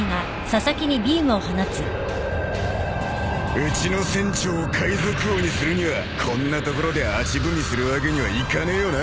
［うちの船長を海賊王にするにはこんな所で足踏みするわけにはいかねえよな］